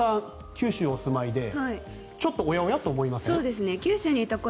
九州にお住まいでちょっとおやおやと思いません？